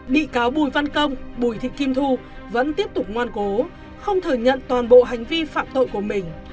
bị cáo bùi văn công bùi thị kim thu vẫn tiếp tục ngoan cố không thừa nhận toàn bộ hành vi phạm tội của mình